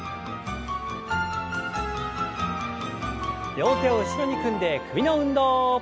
両手を後ろに組んで首の運動。